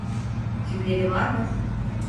Şüpheli var mı?